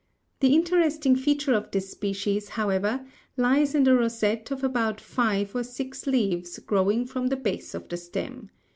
The interesting feature of this species, however, lies in the rosette of about five or six leaves growing from the base of the stem.